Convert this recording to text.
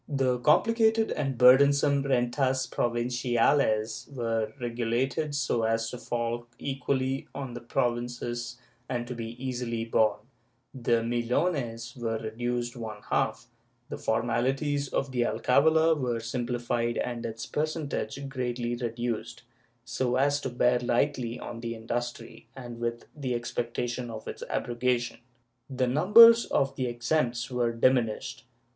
The comphcated and burdensome Rentas Provinciates were regulated so as to fall equally on the various provinces and to be easily borne; the Millones were reduced one half; the formalities of the alcavala were simplified and its per centage greatly reduced, so as to bear lightly on industry, and with the expectation of its abrogation. The numbers of the exempts were diminished.